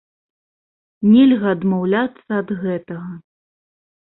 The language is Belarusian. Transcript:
Нельга адмаўляцца ад гэтага.